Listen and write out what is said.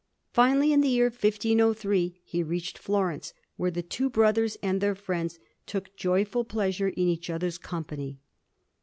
Finally, in the year 1503, he reached Florence, where the two brothers and their friends took joyful pleasure in each other's company.